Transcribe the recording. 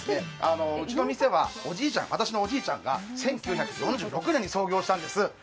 うちの店は私のおじいちゃんが１９４６年に創業したんです。